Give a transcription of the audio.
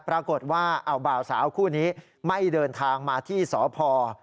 ปรากฏว่าเอาบ่าวสาวคู่นี้ไม่เดินทางมาที่สพ